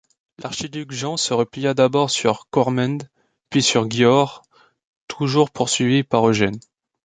L'archiduc Jean se replia d'abord sur Körmend, puis sur Győr, toujours poursuivi par Eugène.